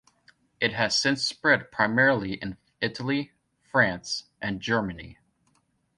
It has since spread primarily in Italy, France and Germany.